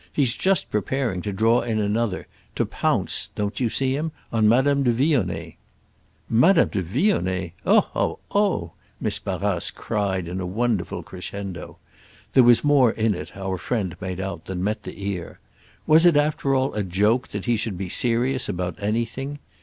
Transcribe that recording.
He's just preparing to draw in another; to pounce—don't you see him?—on Madame de Vionnet." "Madame de Vionnet? Oh, oh, oh!" Miss Barrace cried in a wonderful crescendo. There was more in it, our friend made out, than met the ear. Was it after all a joke that he should be serious about anything?